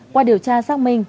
qua điều tra xác minh